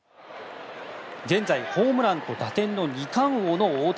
現在ホームランと打点の２冠王の大谷。